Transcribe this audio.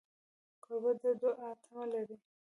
کوربه د دوعا تمه لري.